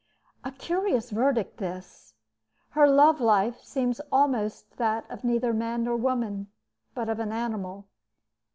A curious verdict this! Her love life seems almost that of neither man nor woman, but of an animal.